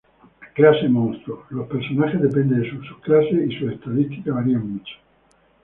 Clase-Monstruo: Los personajes dependen de su sub-clase y sus estadísticas varían mucho.